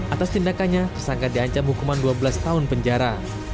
atas tindakannya tersangka diancam hukuman dua belas tahun penjara